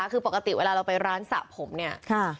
คือปกติเวลาเราไปร้านสระผมเนี่ย